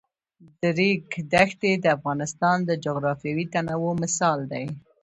د ریګ دښتې د افغانستان د جغرافیوي تنوع مثال دی.